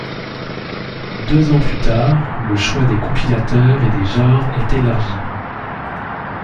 Deux ans plus tard, le choix des compilateurs et des genres est élargi.